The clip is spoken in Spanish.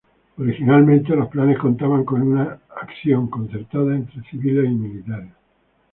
Originalmente, los planes contaban con una acción concertada entre civiles y militares.